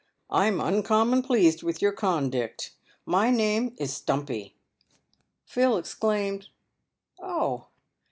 " I'm uncommon pleased with your condict. My name is Stumpy." Phil exclaimed " Oh